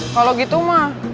kalau gitu mah